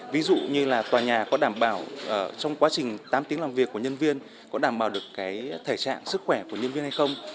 ví dụ như là tòa nhà có đảm bảo trong quá trình tám tiếng làm việc của nhân viên có đảm bảo được cái thể trạng sức khỏe của nhân viên hay không